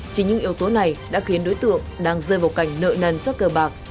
chỉ những yếu tố này đã khiến đối tượng đang rơi vào cảnh nợ nần do cờ bạc